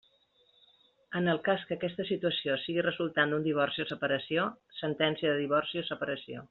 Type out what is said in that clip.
En el cas que aquesta situació sigui resultant d'un divorci o separació, sentència de divorci o separació.